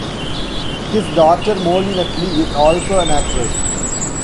His daughter Molly Nutley is also an actress.